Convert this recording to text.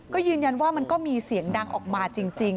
ก็ยืนยันว่ามันก็มีเสียงดังออกมาจริง